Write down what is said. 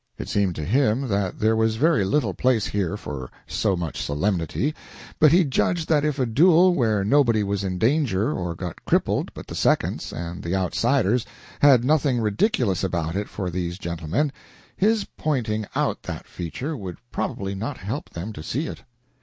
It seemed to him that there was very little place here for so much solemnity, but he judged that if a duel where nobody was in danger or got crippled but the seconds and the outsiders had nothing ridiculous about it for these gentlemen, his pointing out that feature would probably not help them to see it.